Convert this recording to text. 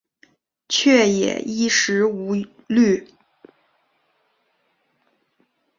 却也衣食无虑